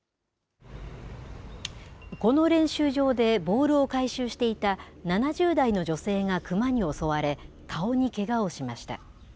この練習場でボールを回収していた７０代の女性がクマに襲われ、顔にけがをしました。